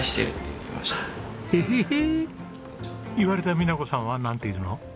言われた美奈子さんはなんて言うの？